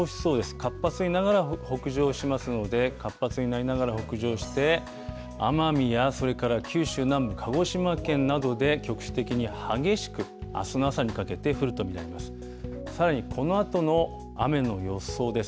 活発になりながら、北上しますので、活発になりながら北上して、奄美やそれから九州南部、鹿児島県などで、局地的に激しく、あすの朝にかけて降ると見られます。